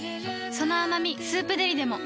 その甘み「スープデリ」でも